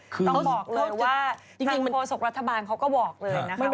ต้องบอกเลยว่าทางโฆษกรัฐบาลเค้าก็บอกเลยนะครับว่า